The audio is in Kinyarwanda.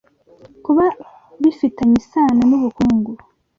kuba bifitanye isano n'ubukungu